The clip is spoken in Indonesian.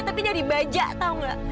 tapi dari baja tau gak